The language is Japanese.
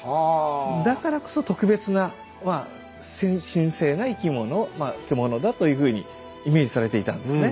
だからこそ特別な神聖な生き物獣だというふうにイメージされていたんですね。